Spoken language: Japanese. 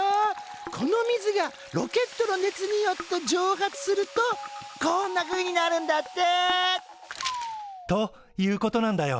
この水がロケットの熱によって蒸発するとこんなふうになるんだって！ということなんだよ。